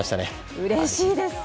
うれしいです。